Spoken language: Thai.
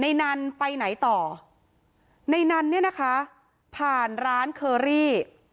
นันไปไหนต่อในนั้นเนี่ยนะคะผ่านร้านเคอรี่